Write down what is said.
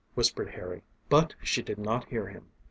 whispered Harry. But she did not hear him.